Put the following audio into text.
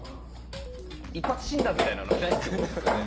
一発診断みたいなのはないってことですよね。